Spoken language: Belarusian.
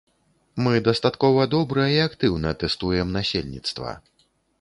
Мы дастаткова добра і актыўна тэстуем насельніцтва.